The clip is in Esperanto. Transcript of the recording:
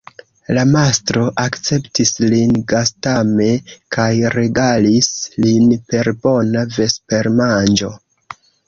La mastro akceptis lin gastame kaj regalis lin per bona vespermanĝo.